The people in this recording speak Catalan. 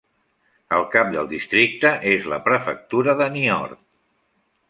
El cap del districte és la prefectura de Niort.